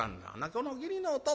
この義理のおと